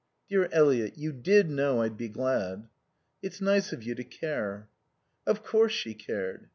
"Dear Eliot, you did know I'd be glad." "It's nice of you to care." Of course she cared.